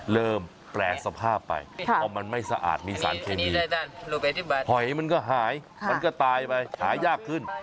เริ่มแปลสภาพไปพอมันไม่สะอาดมีสารเคมีหอยมันก็หายมันก็ตายไปหายากขึ้น